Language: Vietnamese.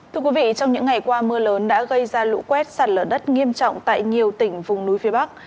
thưa quý vị trong những ngày qua mưa lớn đã gây ra lũ quét sạt lở đất nghiêm trọng tại nhiều tỉnh vùng núi phía bắc